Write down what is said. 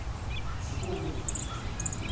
自己分析。